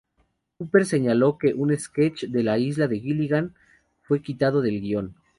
Cooper señaló que un sketch de "La isla de Gilligan" fue quitado del guion.